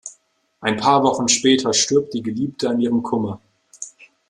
Ein paar Wochen später stirbt die Geliebte an ihrem Kummer.